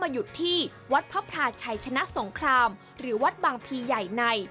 หยุดที่วัดพระพลาชัยชนะสงครามหรือวัดบางพีใหญ่ใน